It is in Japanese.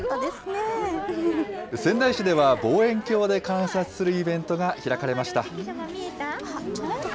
仙台市では、望遠鏡で観察するイベントが開かれました。